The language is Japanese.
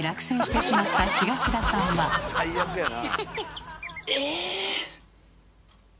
最悪やな。